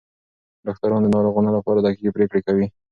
ډاکټران د ناروغانو لپاره دقیقې پریکړې کوي.